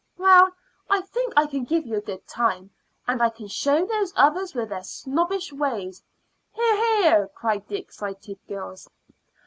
"Well, I think I can give you a good time, and I can show those others with their snobbish ways " "Hear, hear!" cried the excited girls.